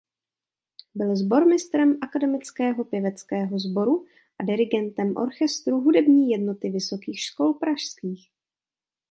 Byl sbormistrem "Akademického pěveckého sboru" a dirigentem orchestru "Hudební jednoty vysokých škol pražských".